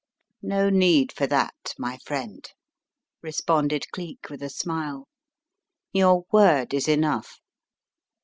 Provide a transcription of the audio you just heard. "No need for that, my friend," responded Cleek, with a smile, "your word is enough.